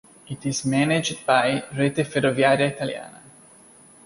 It is managed by Rete Ferroviaria Italiana.